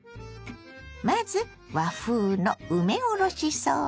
まず和風の梅おろしソース。